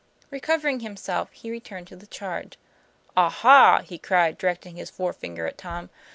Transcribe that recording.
Recovering himself, he returned to the charge. "Aha!" he cried, directing his forefinger at Tom.